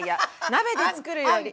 鍋で作るより。